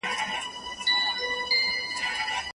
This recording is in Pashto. که څوک دا کلمې په سمه توګه ونه پېژني مانا به یې غلطه کړي.